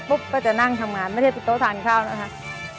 ก็จะนั่งทำงานไม่ได้ปิดโต๊ะทานข้าวนะคะ